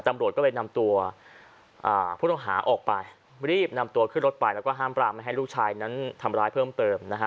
ตำรวจก็เลยนำตัวผู้ต้องหาออกไปรีบนำตัวขึ้นรถไปแล้วก็ห้ามปรามไม่ให้ลูกชายนั้นทำร้ายเพิ่มเติมนะฮะ